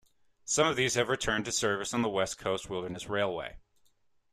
Some of these have returned to service on the West Coast Wilderness Railway.